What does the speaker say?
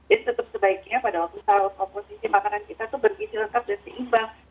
jadi tetap sebaiknya pada waktu sahur komposisi makanan kita tuh bergisi lengkap dan seimbang